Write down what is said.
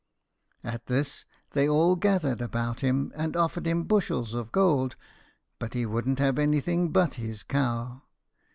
At this they all gathered about him and offered him bushels of gould, but he wouldn't have anything but his cow.